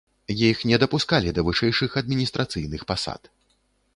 Іх не дапускалі да вышэйшых адміністрацыйных пасад.